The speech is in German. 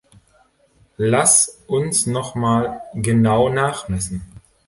Lass uns noch mal genau nachmessen.